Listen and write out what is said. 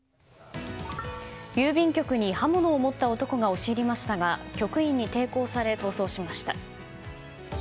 郵便局に刃物を持った男が押し入りましたが局員に抵抗され、逃走しました。